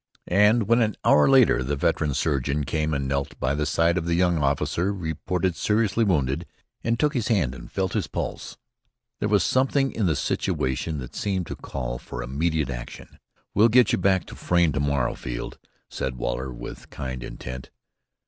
And when an hour later the veteran surgeon came and knelt by the side of the young officer reported seriously wounded, and took his hand and felt his pulse, there was something in the situation that seemed to call for immediate action. "We'll get you back to Frayne to morrow, Field," said Waller, with kind intent.